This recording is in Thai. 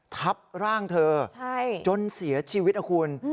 ทับร่างเธอจนเสียชีวิตนะคุณ